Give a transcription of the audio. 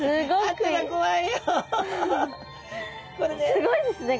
すごいですね！